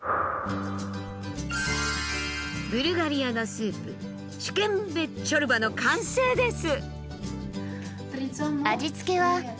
ブルガリアのスープシュケンベ・チョルバの完成です。